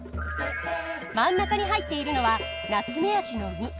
真ん中に入っているのはナツメヤシの実。